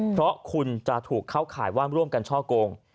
เพราะคุณจะถูกเข้าข่ายว่าร่วมกันช่อกง